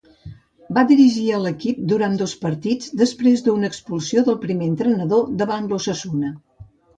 Va dirigir a l'equip durant dos partits després d'una expulsió del primer entrenador davant l'Osasuna.